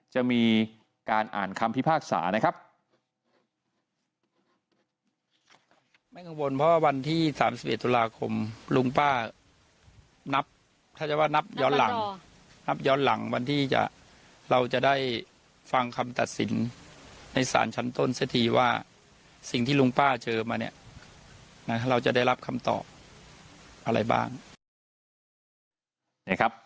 จะมีการอ่านคำพิพากษานะครับ